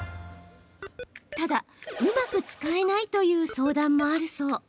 ただ、うまく使えないという相談もあるそう。